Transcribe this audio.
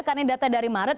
karena data dari maret